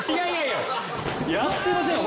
やってませんよ！